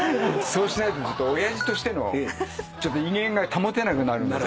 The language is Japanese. そうしないと親父としての威厳が保てなくなるので。